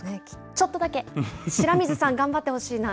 ちょっとだけ、白水さん頑張ってほしいな。